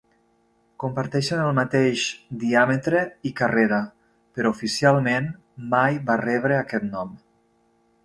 Comparteixen el mateix diàmetre i carrera, però oficialment mai va rebre aquest nom.